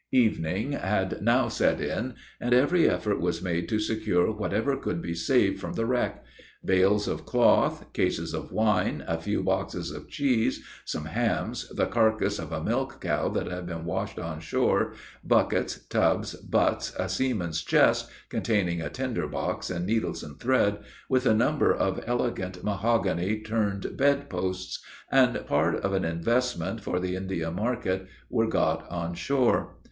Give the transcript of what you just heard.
Evening had now set in, and every effort was made to secure whatever could be saved from the wreck. Bales of cloth, cases of wine, a few boxes of cheese, some hams, the carcass of a milch cow that had been washed on shore, buckets, tubs, butts, a seaman's chest, (containing a tinder box, and needles and thread,) with a number of elegant mahogany turned bed posts, and part of an investment for the India market, were got on shore.